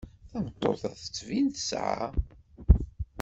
Tameṭṭut-a tettbin tesεa.